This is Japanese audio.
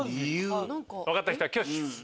分かった人は挙手！